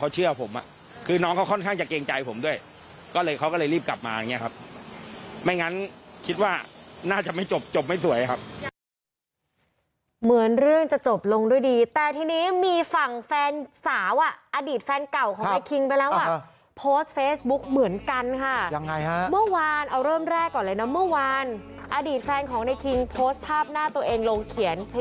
คือจริงแล้วที่ตั้งใจพูดตลกหยอดล้อกันเนี่ย